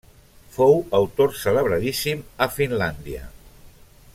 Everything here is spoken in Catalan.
Fou autor celebradíssim a Finlàndia.